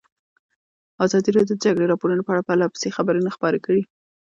ازادي راډیو د د جګړې راپورونه په اړه پرله پسې خبرونه خپاره کړي.